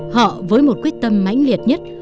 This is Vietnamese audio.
họ với một quyết tâm mãnh liệt nhất